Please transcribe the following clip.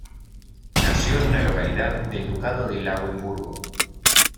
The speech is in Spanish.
Nació en una localidad del Ducado de Lauenburgo.